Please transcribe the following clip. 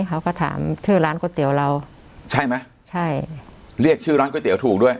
เขาก็ถามชื่อร้านก๋วยเตี๋ยวเราใช่ไหมใช่เรียกชื่อร้านก๋วยเตี๋ยวถูกด้วย